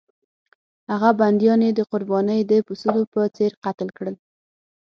هغه بندیان یې د قربانۍ د پسونو په څېر قتل کړل.